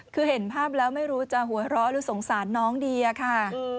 คือเห็นภาพแล้วไม่รู้จะหัวเราะหรือสงสารน้องดีอะค่ะ